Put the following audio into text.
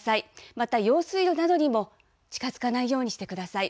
また用水路などにも、近づかないようにしてください。